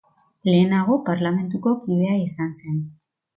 Lehenago Parlamentuko kidea izan zen.